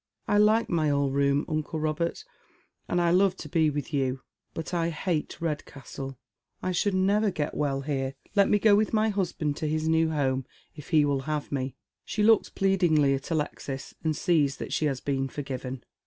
" I like my old room, uncle Eobert, and I love to be with you, out I hate Redcastle. I should never get well here. Let me go with my husband to his new home, if he will have me." She looks pleadingly at Alexis, and sees that she has been forgiven.